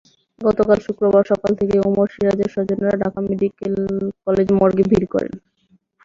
গতকাল শুক্রবার সকাল থেকে ওমর সিরাজের স্বজনেরা ঢাকা মেডিকেল কলেজ মর্গে ভিড় করেন।